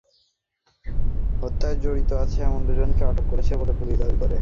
হত্যায় জড়িত আছে এমন দুজনকে আটক করেছে বলে পুলিশ দাবি করে।